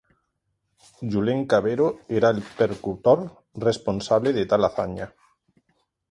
Julen Cavero era el percutor responsable de tal hazaña.